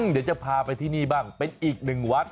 เดี๋ยวจะพาไปที่นี่บ้างเป็นอีกหนึ่งวัด